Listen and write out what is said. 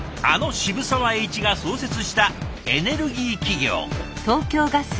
あの渋沢栄一が創設したエネルギー企業。